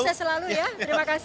sehat selalu ya terima kasih